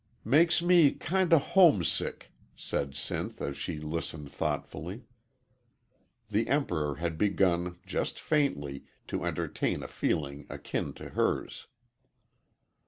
"Makes me kind o' homesick," said Sinth, as she listened thoughtfully. The Emperor had begun, just faintly, to entertain a feeling akin to hers.